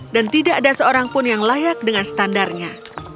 dan tidak ada seorang pun yang layak dengan standarnya